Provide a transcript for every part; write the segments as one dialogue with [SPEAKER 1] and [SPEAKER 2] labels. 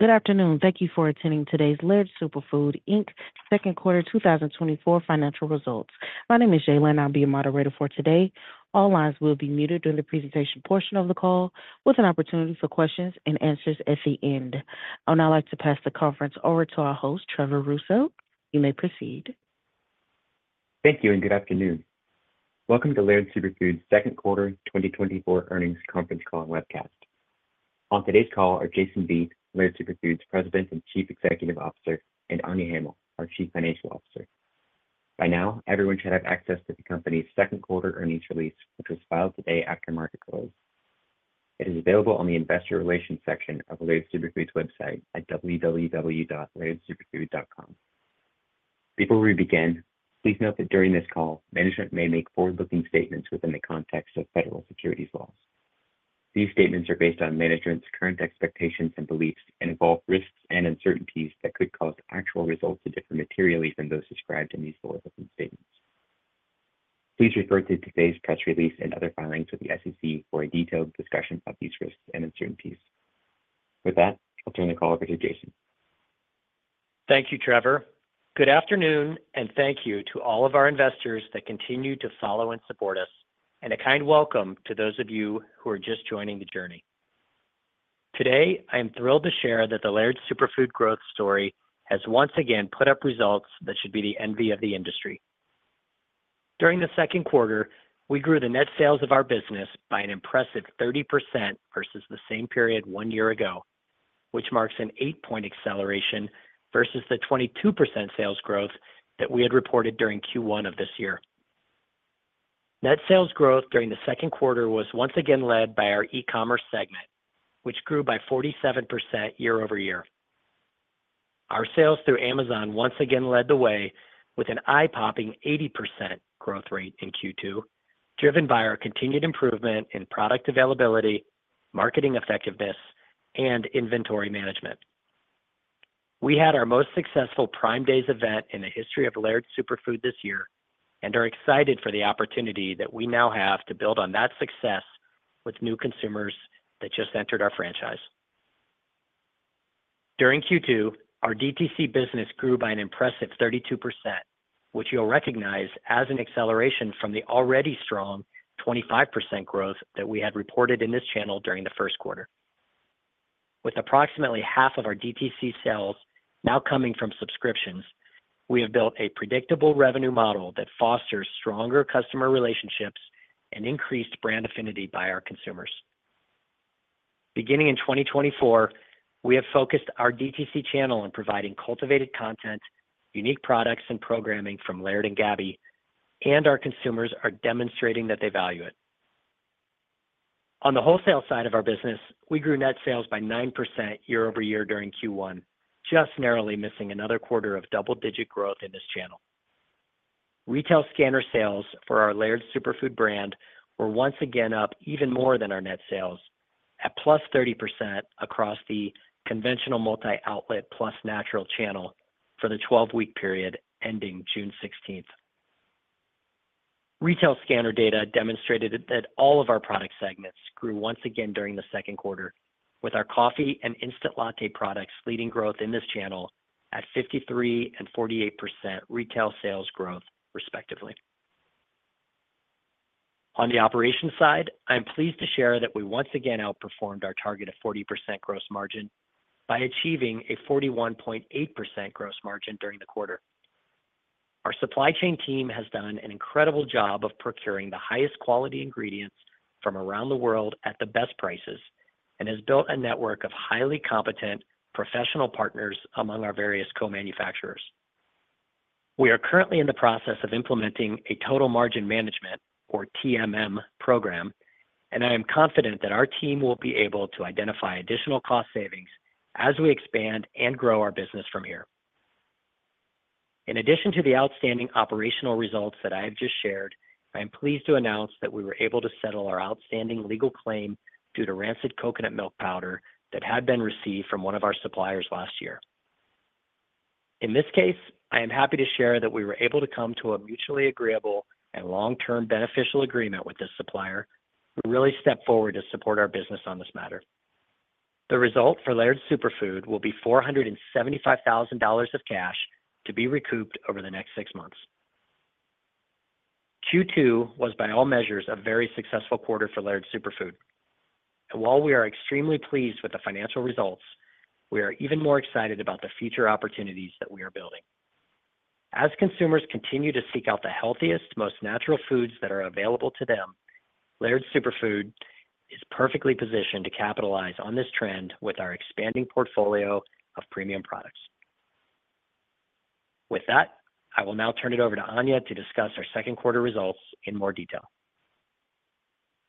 [SPEAKER 1] Good afternoon. Thank you for attending today's Laird Superfood Inc Second Quarter 2024 Financial Results. My name is Jaylen, and I'll be your moderator for today. All lines will be muted during the presentation portion of the call, with an opportunity for questions and answers at the end. I would now like to pass the conference over to our host, Trevor Rousseau. You may proceed.
[SPEAKER 2] Thank you, and good afternoon. Welcome to Laird Superfood's Second Quarter 2024 Earnings Conference Call and Webcast. On today's call are Jason Vieth, Laird Superfood's President and Chief Executive Officer, and Anya Hamill, our Chief Financial Officer. By now, everyone should have access to the company's second quarter earnings release, which was filed today after market close. It is available on the investor relations section of Laird Superfood's website at www.lairdsuperfood.com. Before we begin, please note that during this call, management may make forward-looking statements within the context of federal securities laws. These statements are based on management's current expectations and beliefs and involve risks and uncertainties that could cause actual results to differ materially from those described in these forward-looking statements. Please refer to today's press release and other filings with the SEC for a detailed discussion of these risks and uncertainties. With that, I'll turn the call over to Jason.
[SPEAKER 3] Thank you, Trevor. Good afternoon, and thank you to all of our investors that continue to follow and support us, and a kind welcome to those of you who are just joining the journey. Today, I am thrilled to share that the Laird Superfood growth story has once again put up results that should be the envy of the industry. During the second quarter, we grew the net sales of our business by an impressive 30% versus the same period one year ago, which marks an 8-point acceleration versus the 22% sales growth that we had reported during Q1 of this year. Net sales growth during the second quarter was once again led by our e-commerce segment, which grew by 47% year-over-year. Our sales through Amazon once again led the way with an eye-popping 80% growth rate in Q2, driven by our continued improvement in product availability, marketing effectiveness, and inventory management. We had our most successful Prime Days event in the history of Laird Superfood this year, and are excited for the opportunity that we now have to build on that success with new consumers that just entered our franchise. During Q2, our DTC business grew by an impressive 32%, which you'll recognize as an acceleration from the already strong 25% growth that we had reported in this channel during the first quarter. With approximately half of our DTC sales now coming from subscriptions, we have built a predictable revenue model that fosters stronger customer relationships and increased brand affinity by our consumers. Beginning in 2024, we have focused our DTC channel on providing cultivated content, unique products and programming from Laird and Gabby, and our consumers are demonstrating that they value it. On the wholesale side of our business, we grew net sales by 9% year-over-year during Q1, just narrowly missing another quarter of double-digit growth in this channel. Retail scanner sales for our Laird Superfood brand were once again up even more than our net sales, at +30% across the conventional multi-outlet plus natural channel for the 12-week period ending June 16. Retail scanner data demonstrated that all of our product segments grew once again during the second quarter, with our coffee and instant latte products leading growth in this channel at 53% and 48% retail sales growth, respectively. On the operations side, I'm pleased to share that we once again outperformed our target of 40% gross margin by achieving a 41.8% gross margin during the quarter. Our supply chain team has done an incredible job of procuring the highest quality ingredients from around the world at the best prices, and has built a network of highly competent professional partners among our various co-manufacturers. We are currently in the process of implementing a total margin management, or TMM, program, and I am confident that our team will be able to identify additional cost savings as we expand and grow our business from here. In addition to the outstanding operational results that I have just shared, I am pleased to announce that we were able to settle our outstanding legal claim due to rancid coconut milk powder that had been received from one of our suppliers last year. In this case, I am happy to share that we were able to come to a mutually agreeable and long-term beneficial agreement with this supplier, who really stepped forward to support our business on this matter. The result for Laird Superfood will be $475,000 of cash to be recouped over the next six months. Q2 was, by all measures, a very successful quarter for Laird Superfood. And while we are extremely pleased with the financial results, we are even more excited about the future opportunities that we are building. As consumers continue to seek out the healthiest, most natural foods that are available to them, Laird Superfood is perfectly positioned to capitalize on this trend with our expanding portfolio of premium products. With that, I will now turn it over to Anya to discuss our second quarter results in more detail.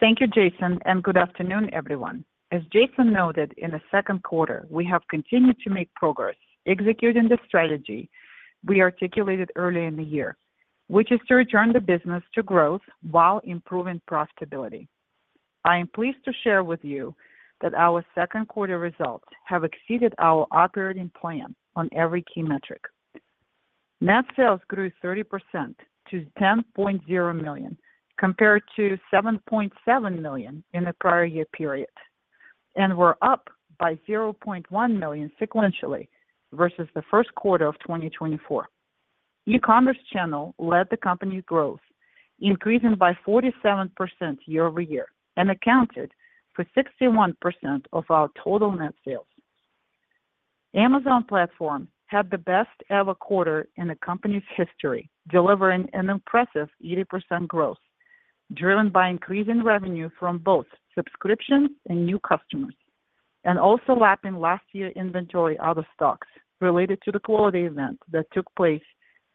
[SPEAKER 4] Thank you, Jason, and good afternoon, everyone. As Jason noted, in the second quarter, we have continued to make progress executing the strategy we articulated earlier in the year, which is to return the business to growth while improving profitability. I am pleased to share with you that our second quarter results have exceeded our operating plan on every key metric. Net sales grew 30% to $10.0 million, compared to $7.7 million in the prior year period, and were up by $0.1 million sequentially versus the first quarter of 2024. E-commerce channel led the company growth, increasing by 47% year-over-year, and accounted for 61% of our total net sales. Amazon platform had the best ever quarter in the company's history, delivering an impressive 80% growth, driven by increasing revenue from both subscriptions and new customers, and also lapping last year inventory out-of-stocks related to the quality event that took place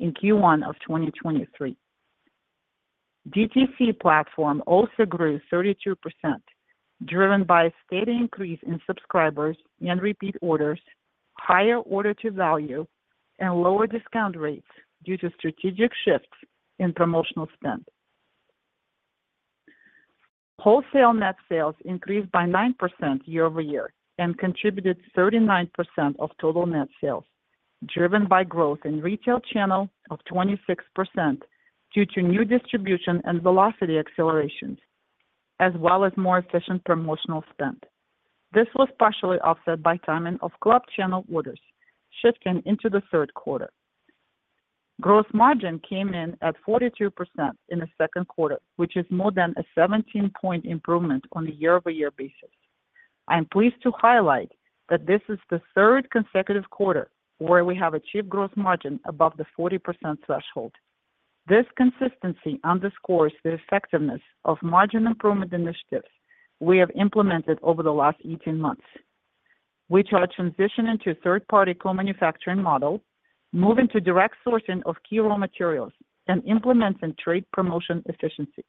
[SPEAKER 4] in Q1 of 2023. DTC platform also grew 32%, driven by a steady increase in subscribers and repeat orders, higher order value, and lower discount rates due to strategic shifts in promotional spend. Wholesale net sales increased by 9% year-over-year and contributed 39% of total net sales, driven by growth in retail channel of 26% due to new distribution and velocity accelerations, as well as more efficient promotional spend. This was partially offset by timing of club channel orders shifting into the third quarter. Gross margin came in at 42% in the second quarter, which is more than a 17-point improvement on a year-over-year basis. I am pleased to highlight that this is the third consecutive quarter where we have achieved gross margin above the 40% threshold. This consistency underscores the effectiveness of margin improvement initiatives we have implemented over the last 18 months, which are transitioning to a third-party co-manufacturing model, moving to direct sourcing of key raw materials, and implementing trade promotion efficiency.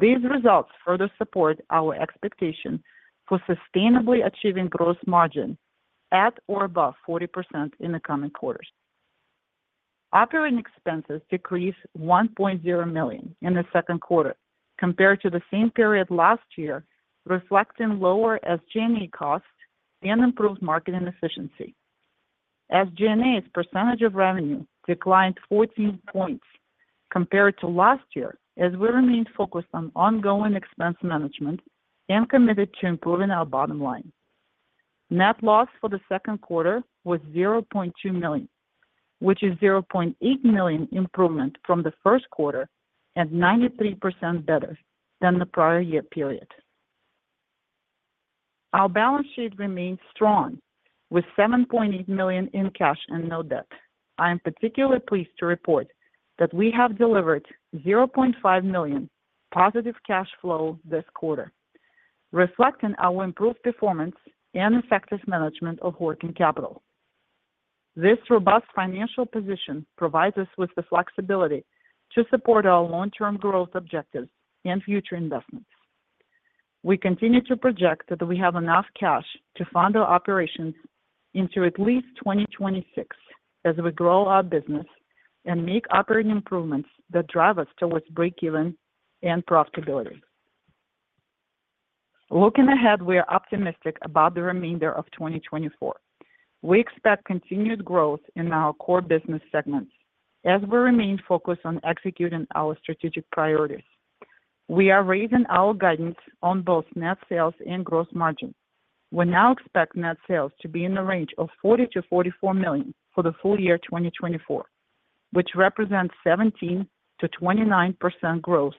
[SPEAKER 4] These results further support our expectation for sustainably achieving gross margin at or above 40% in the coming quarters. Operating expenses decreased $1.0 million in the second quarter compared to the same period last year, reflecting lower SG&A costs and improved marketing efficiency. SG&A's percentage of revenue declined 14 points compared to last year, as we remained focused on ongoing expense management and committed to improving our bottom line. Net loss for the second quarter was $0.2 million, which is $0.8 million improvement from the first quarter and 93% better than the prior year period. Our balance sheet remains strong, with $7.8 million in cash and no debt. I am particularly pleased to report that we have delivered $0.5 million positive cash flow this quarter, reflecting our improved performance and effective management of working capital. This robust financial position provides us with the flexibility to support our long-term growth objectives and future investments. We continue to project that we have enough cash to fund our operations into at least 2026 as we grow our business and make operating improvements that drive us towards breakeven and profitability. Looking ahead, we are optimistic about the remainder of 2024. We expect continued growth in our core business segments as we remain focused on executing our strategic priorities. We are raising our guidance on both net sales and gross margin. We now expect net sales to be in the range of $40 million-$44 million for the full year 2024, which represents 17%-29% growth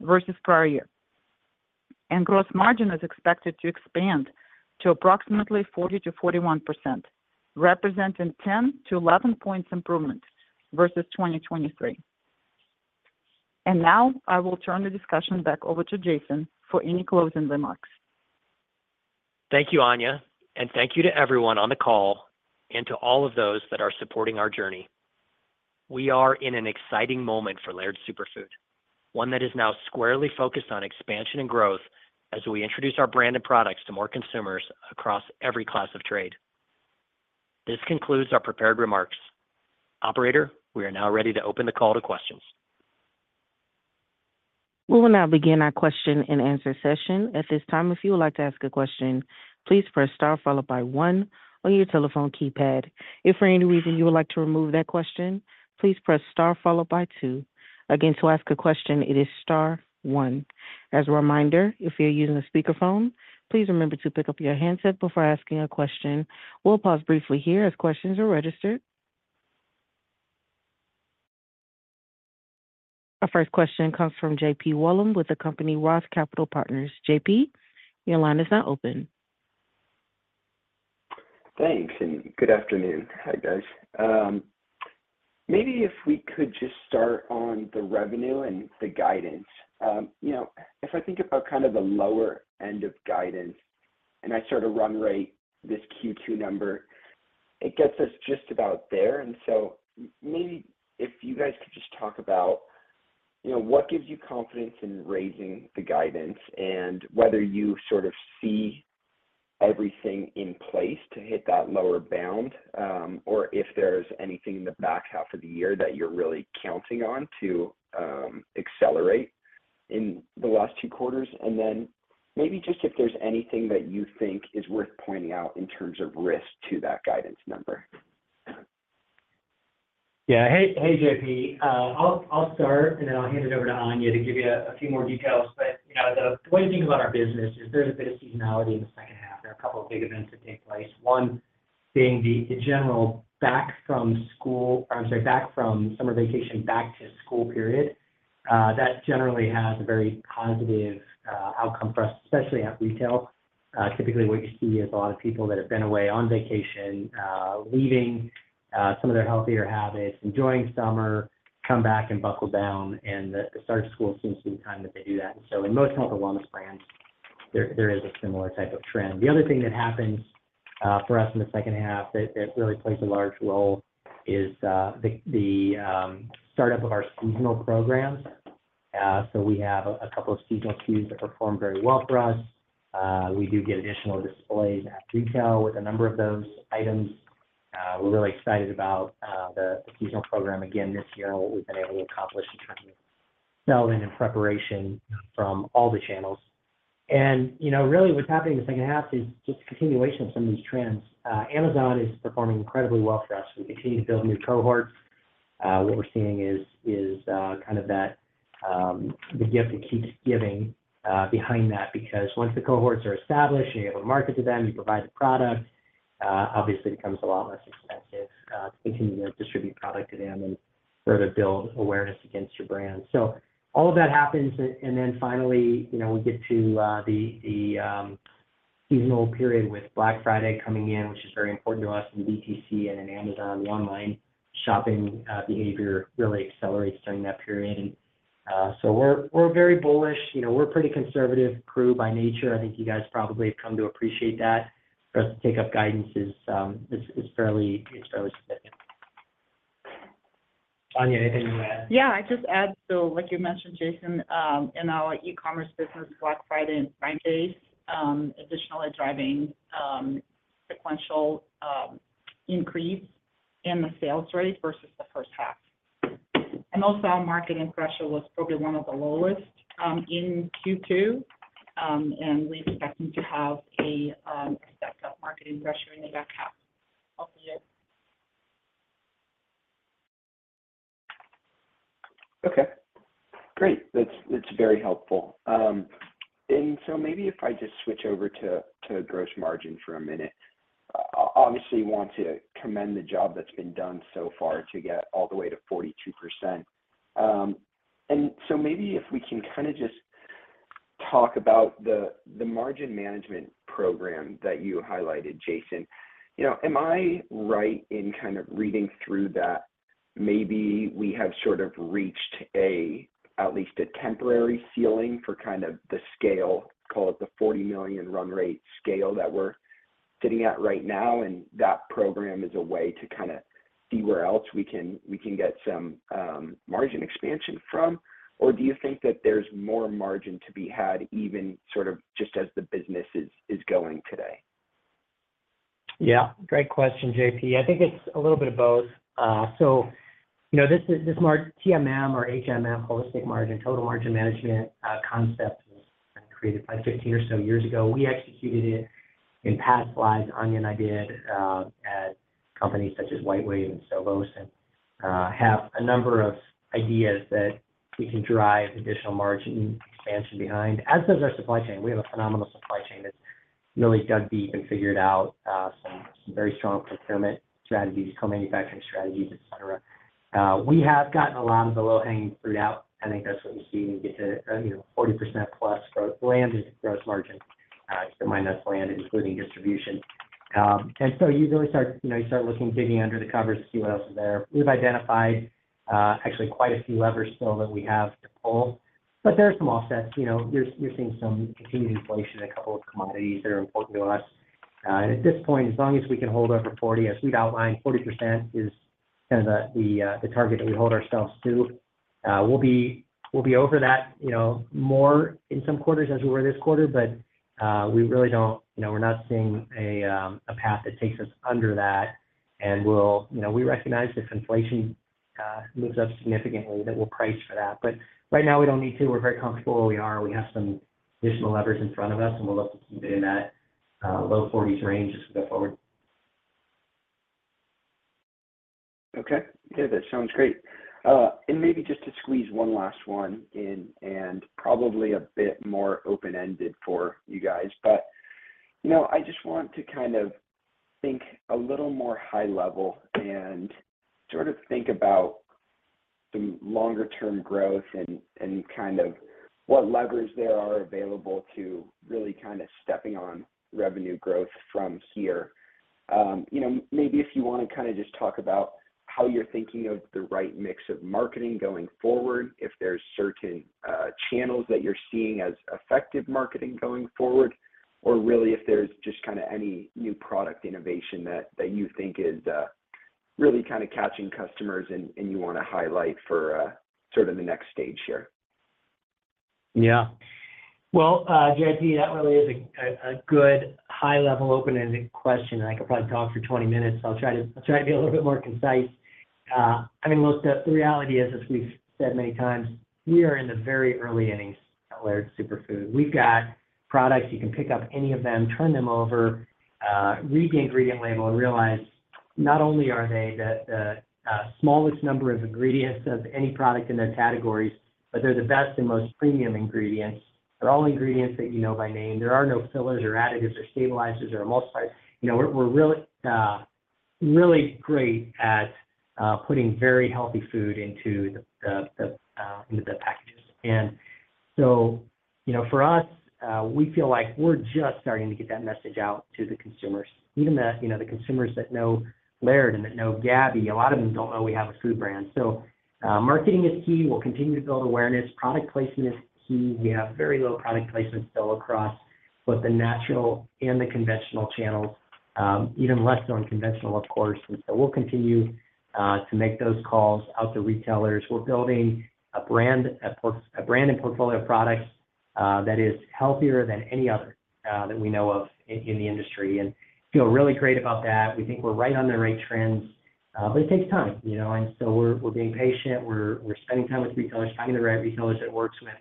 [SPEAKER 4] versus prior year. Gross margin is expected to expand to approximately 40%-41%, representing 10-11 points improvement versus 2023. Now I will turn the discussion back over to Jason for any closing remarks.
[SPEAKER 3] Thank you, Anya, and thank you to everyone on the call and to all of those that are supporting our journey. We are in an exciting moment for Laird Superfood, one that is now squarely focused on expansion and growth as we introduce our brand and products to more consumers across every class of trade. This concludes our prepared remarks. Operator, we are now ready to open the call to questions.
[SPEAKER 1] We will now begin our question-and-answer session. At this time, if you would like to ask a question, please press star followed by one on your telephone keypad. If for any reason you would like to remove that question, please press star followed by two. Again, to ask a question, it is star one. As a reminder, if you're using a speakerphone, please remember to pick up your handset before asking a question. We'll pause briefly here as questions are registered. Our first question comes from JP Wollam with the company Roth Capital Partners. JP, your line is now open.
[SPEAKER 5] Thanks, and good afternoon. Hi, guys. Maybe if we could just start on the revenue and the guidance. You know, if I think about kind of the lower end of guidance and I sort of run rate this Q2 number, it gets us just about there. And so maybe if you guys could just talk about, you know, what gives you confidence in raising the guidance and whether you sort of see everything in place to hit that lower bound, or if there's anything in the back half of the year that you're really counting on to accelerate in the last two quarters, and then maybe just if there's anything that you think is worth pointing out in terms of risk to that guidance number?
[SPEAKER 3] Yeah. Hey, hey, JP. I'll start, and then I'll hand it over to Anya to give you a few more details. But, you know, the way to think about our business is there's a bit of seasonality in the second half. There are a couple of big events that take place. One being the general back from school, or I'm sorry, back from summer vacation, back to school period. That generally has a very positive outcome for us, especially at retail. Typically, what you see is a lot of people that have been away on vacation, leaving some of their healthier habits, enjoying summer, come back and buckle down, and the start of school seems to be the time that they do that. So in most health and wellness brands, there is a similar type of trend. The other thing that happens for us in the second half that really plays a large role is the startup of our seasonal programs. So we have a couple of seasonal SKUs that perform very well for us. We do get additional displays at retail with a number of those items. We're really excited about the seasonal program again this year, and what we've been able to accomplish in terms of selling in preparation from all the channels. And, you know, really, what's happening in the second half is just a continuation of some of these trends. Amazon is performing incredibly well for us. We continue to build new cohorts. What we're seeing is kind of the gift that keeps giving behind that. Because once the cohorts are established, and you have a market to them, you provide the product, obviously, it becomes a lot less expensive to continue to distribute product to them and further build awareness against your brand. So all of that happens, and then finally, you know, we get to the seasonal period with Black Friday coming in, which is very important to us in DTC and in Amazon. The online shopping behavior really accelerates during that period. So we're very bullish. You know, we're a pretty conservative crew by nature. I think you guys probably have come to appreciate that. For us to take up guidance is fairly significant. Anya, anything you want to add?
[SPEAKER 4] Yeah, I'd just add, so like you mentioned, Jason, in our e-commerce business, Black Friday and Prime Day additionally driving sequential increase in the sales rate versus the first half. And also, our marketing pressure was probably one of the lowest in Q2. And we're expecting to have a stepped-up marketing pressure in the back half of the year.
[SPEAKER 5] Okay, great. That's, that's very helpful. And so maybe if I just switch over to gross margin for a minute. Obviously, want to commend the job that's been done so far to get all the way to 42%. And so maybe if we can kinda just talk about the margin management program that you highlighted, Jason. You know, am I right in kind of reading through that maybe we have sort of reached a, at least, a temporary ceiling for kind of the scale, call it the $40 million run rate scale that we're sitting at right now, and that program is a way to kinda see where else we can, we can get some margin expansion from? Or do you think that there's more margin to be had, even sort of just as the business is, is going today?
[SPEAKER 3] Yeah, great question, JP. I think it's a little bit of both. So you know, this is, this TMM or HMM, holistic margin, total margin management concept was created 15 or so years ago. We executed it in past lives, Anya and I did at companies such as WhiteWave and Sovos, and have a number of ideas that we can drive additional margin expansion behind, as does our supply chain. We have a phenomenal supply chain that's really dug deep and figured out some very strong procurement strategies, co-manufacturing strategies, et cetera. We have gotten a lot of the low-hanging fruit out. I think that's what you see when you get to, you know, 40%+ landed gross margin. So minus landed, including distribution. And so you really start, you know, you start looking, digging under the covers to see what else is there. We've identified, actually quite a few levers still that we have to pull, but there are some offsets. You know, we're, we're seeing some continued inflation in a couple of commodities that are important to us. And at this point, as long as we can hold over 40, as we'd outlined, 40% is kind of the, the target that we hold ourselves to. We'll be, we'll be over that, you know, more in some quarters as we were this quarter, but, we really don't-- you know, we're not seeing a, a path that takes us under that. And we'll-- you know, we recognize if inflation, moves up significantly, that we'll price for that. But right now, we don't need to. We're very comfortable where we are. We have some additional levers in front of us, and we'd love to keep it in that low forties range as we go forward.
[SPEAKER 5] Okay. Okay, that sounds great. And maybe just to squeeze one last one in, and probably a bit more open-ended for you guys, but, you know, I just want to kind of think a little more high level and sort of think about the longer term growth and, and kind of what levers there are available to really kind of stepping on revenue growth from here. You know, maybe if you wanna kind of just talk about how you're thinking of the right mix of marketing going forward, if there's certain, channels that you're seeing as effective marketing going forward, or really, if there's just kinda any new product innovation that, that you think is, really kind of catching customers and, and you wanna highlight for, uh, sort of the next stage here.
[SPEAKER 3] Yeah. Well, JP, that really is a good high-level open-ended question, and I could probably talk for 20 minutes. I'll try to be a little bit more concise. I mean, look, the reality is, as we've said many times, we are in the very early innings at Laird Superfood. We've got products, you can pick up any of them, turn them over, read the ingredient label, and realize not only are they the smallest number of ingredients of any product in their categories, but they're the best and most premium ingredients. They're all ingredients that you know by name. There are no fillers, or additives, or stabilizers, or emulsifiers. You know, we're really great at putting very healthy food into the packages. And so, you know, for us, we feel like we're just starting to get that message out to the consumers. Even the, you know, the consumers that know Laird and that know Gabby, a lot of them don't know we have a food brand. So, marketing is key. We'll continue to build awareness. Product placement is key. We have very low product placement still across both the natural and the conventional channels, even less so on conventional, of course. So we'll continue to make those calls out to retailers. We're building a brand, a brand and portfolio of products, that is healthier than any other, that we know of in the industry, and feel really great about that. We think we're right on the right trends, but it takes time, you know? And so we're being patient, we're spending time with retailers, finding the right retailers it works with,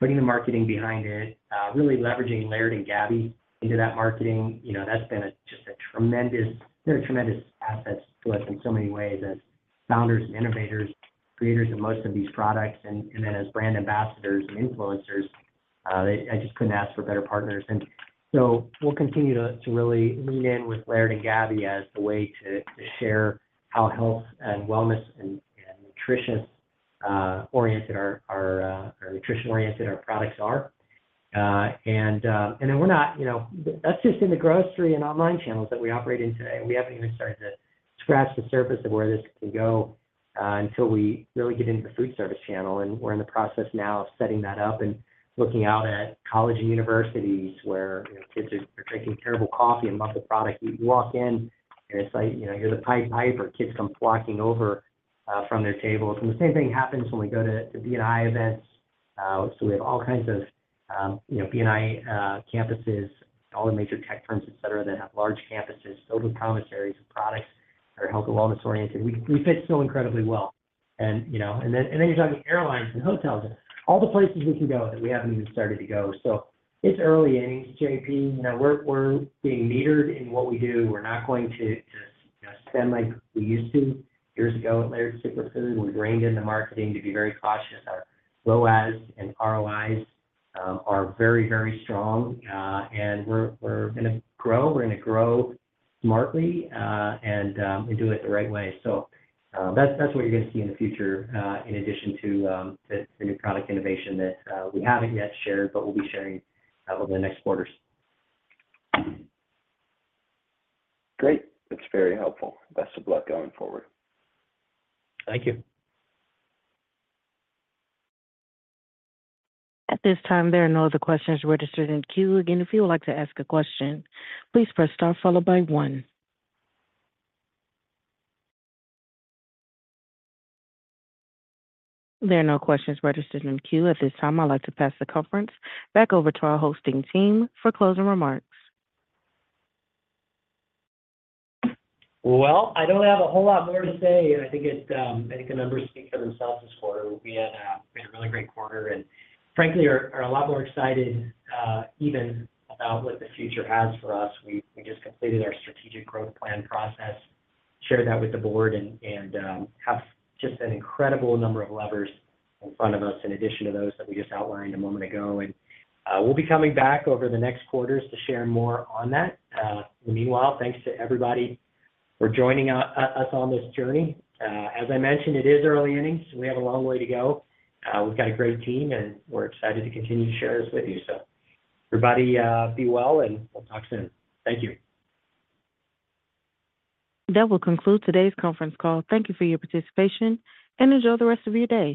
[SPEAKER 3] putting the marketing behind it. Really leveraging Laird and Gabby into that marketing, you know, that's been just a tremendous, they're a tremendous asset to us in so many ways. As founders and innovators, creators of most of these products, and then as brand ambassadors and influencers, I just couldn't ask for better partners. And so we'll continue to really lean in with Laird and Gabby as the way to share how health and wellness and nutrition oriented our, or nutrition-oriented our products are. And then we're not, you know. That's just in the grocery and online channels that we operate in today. We haven't even started to scratch the surface of where this can go until we really get into the food service channel, and we're in the process now of setting that up and looking out at college and universities, where, you know, kids are drinking terrible coffee and muscle product. You walk in, and it's like, you know, you're the pied piper, kids come flocking over from their tables. And the same thing happens when we go to B&I events. So we have all kinds of, you know, B&I campuses, all the major tech firms, et cetera, that have large campuses filled with commissaries and products that are health and wellness oriented. We fit so incredibly well. And, you know, and then you're talking airlines and hotels and all the places we can go that we haven't even started to go. So it's early innings, JP. You know, we're being metered in what we do. We're not going to just, you know, spend like we used to years ago at Laird Superfood. We've reined in the marketing to be very cautious. Our ROAS and ROIs are very, very strong, and we're gonna grow, we're gonna grow smartly, and we do it the right way. So, that's what you're gonna see in the future, in addition to the new product innovation that we haven't yet shared, but we'll be sharing over the next quarters.
[SPEAKER 5] Great. That's very helpful. Best of luck going forward.
[SPEAKER 3] Thank you.
[SPEAKER 1] At this time, there are no other questions registered in the queue. Again, if you would like to ask a question, please press star followed by one. There are no questions registered in the queue at this time. I'd like to pass the conference back over to our hosting team for closing remarks.
[SPEAKER 3] Well, I don't have a whole lot more to say, and I think the numbers speak for themselves this quarter. We had a really great quarter, and frankly, are a lot more excited, even about what the future has for us. We just completed our strategic growth plan process, shared that with the board, and have just an incredible number of levers in front of us, in addition to those that we just outlined a moment ago. And, we'll be coming back over the next quarters to share more on that. Meanwhile, thanks to everybody for joining us on this journey. As I mentioned, it is early innings, so we have a long way to go. We've got a great team, and we're excited to continue to share this with you. Everybody, be well, and we'll talk soon. Thank you.
[SPEAKER 1] That will conclude today's conference call. Thank you for your participation, and enjoy the rest of your day.